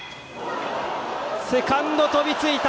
セカンド、飛びついた！